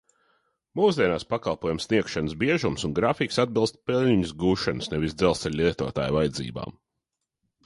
Mūsdienās pakalpojumu sniegšanas biežums un grafiks atbilst peļņas gūšanas, nevis dzelzceļa lietotāju vajadzībām.